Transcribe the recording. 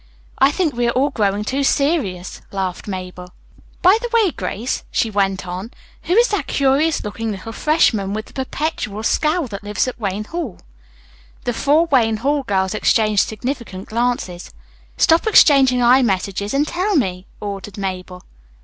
"I think we are all growing too serious," laughed Mabel. "By the way, Grace," she went on, "who is that curious looking little freshman with the perpetual scowl that lives at Wayne Hall!" The four Wayne Hall girls exchanged significant glances. "Stop exchanging eye messages and tell me," ordered Mabel.